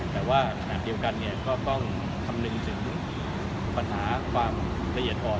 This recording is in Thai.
แต่ว่าขณะเดียวกันก็ต้องคำนึงถึงปัญหาความละเอียดอ่อน